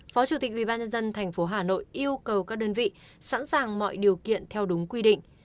phó chủ tịch ubnd tp hà nội yêu cầu các đơn vị sẵn sàng mọi điều kiện theo đúng quy định